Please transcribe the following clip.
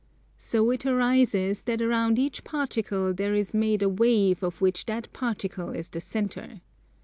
So it arises that around each particle there is made a wave of which that particle is the centre.